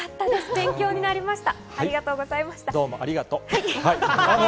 勉強になりました。